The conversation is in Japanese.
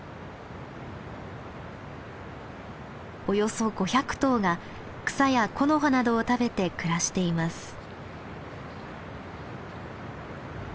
およそ５００頭が草や木の葉などを食べて暮らしています。